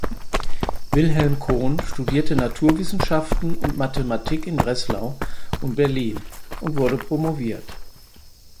Wilhelm Cohn studierte Naturwissenschaften und Mathematik in Breslau und Berlin und wurde promoviert.